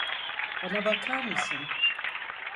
Bana bakar mısın?